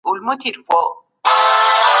د چاپېريال درک د کتابونو تر يوازي لوستلو کم نه دی.